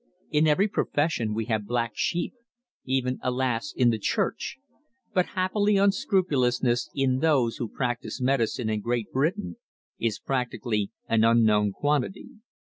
In every profession we have black sheep even, alas! in the Church. But happily unscrupulousness in those who practise medicine in Great Britain is practically an unknown quantity.